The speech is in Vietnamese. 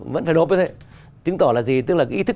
vẫn phải nộp hết đấy tứng tỏ là gì tức là cái ý thức